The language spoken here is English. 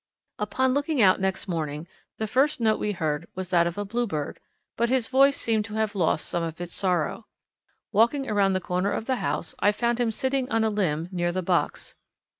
Upon looking out next morning, the first note we heard was that of a Bluebird, but his voice seemed to have lost some of its sorrow. Walking around the corner of the house, I found him sitting on a limb near the box.